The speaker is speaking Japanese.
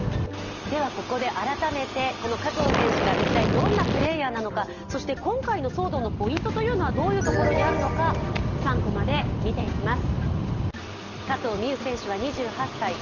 ここで改めて加藤選手が一体どんなプレーヤーなのかそして今回の騒動のポイントはどういうところにあるのか、３コマで見ていきます。